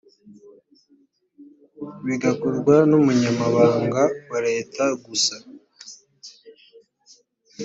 bigakorwa n umunyamabanga wa leta gusa